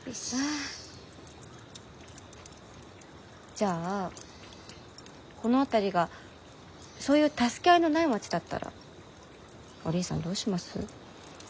じゃあこの辺りがそういう助け合いのない町だったらおりんさんどうします？